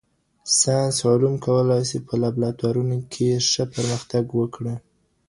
ساینسي علوم کولای سي په لابراتوارونو کي ښه پرمختګ وکړي.